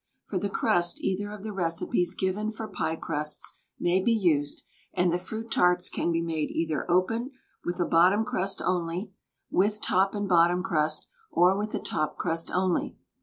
For the crust either of the recipes given for pie crusts may be used, and the fruit tarts can be made either open, with a bottom crust only, with top and bottom crust, or with a top crust only.